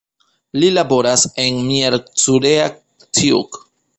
Li laboras en Miercurea Ciuc.